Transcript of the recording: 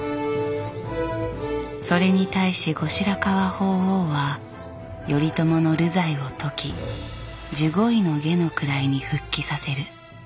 それに対し後白河法皇は頼朝の流罪を解き従五位下の位に復帰させる。